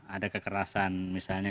ada kekerasan misalnya